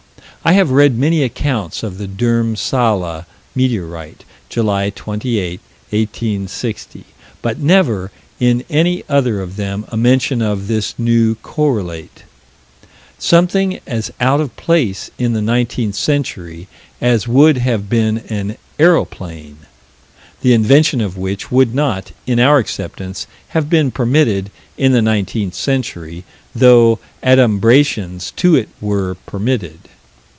I have read many accounts of the Dhurmsalla meteorite July 28, 1860 but never in any other of them a mention of this new correlate something as out of place in the nineteenth century as would have been an aeroplane the invention of which would not, in our acceptance, have been permitted, in the nineteenth century, though adumbrations to it were permitted.